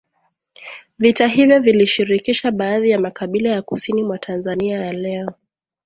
Vita hivyo vilishirikisha baadhi ya makabila ya kusini mwa Tanzania ya leo